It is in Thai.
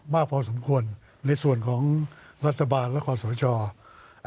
มากพอสมควรในส่วนของรัฐบาลและคอสช